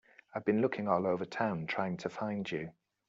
I've been looking all over town trying to find you.